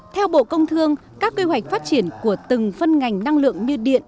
theo bộ công thương các quy hoạch phát triển của từng phân ngành năng lượng như điện